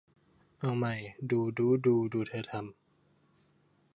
เอาใหม่ ดู ดู๊ ดู ดูเธอทำ